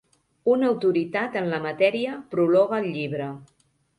Una autoritat en la matèria prologa el llibre.